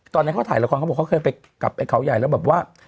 ตอนนั้นเขาถ่ายละครเขาบอกเขาเคยไปกลับไอ้เขาใหญ่แล้วแบบว่า